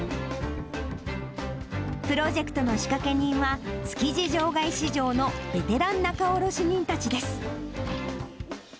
プロジェクトの仕掛け人は、築地場外市場のベテラン仲卸人たちです。